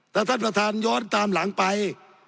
ถ้าท่านประธานย้อนตามหลังไป